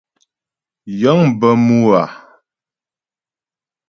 Yəŋ bə mû a.